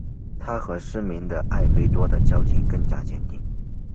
他和失明的艾费多的交情更加坚定。